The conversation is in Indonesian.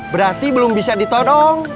berarti belum bisa ditodong